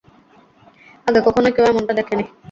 আগে কখনও কেউই এমনটা দেখেনি!